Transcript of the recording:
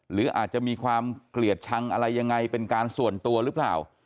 หรืออาจจะมีความเกลียดชังอะไรยังไงเป็นการส่วนตัวหรือเปล่า